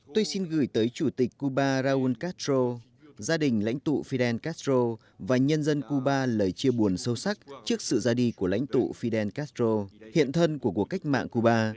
tôi xin gửi tới chủ tịch cuba raúl castro gia đình lãnh tụ fidel castro và nhân dân cuba lời chia buồn sâu sắc trước sự ra đi của lãnh tụ fidel castro hiện thân của cuộc cách mạng cuba